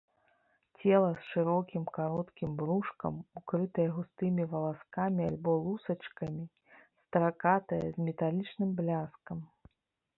Цела з шырокім кароткім брушкам, укрытае густымі валаскамі альбо лусачкамі, стракатае, з металічным бляскам.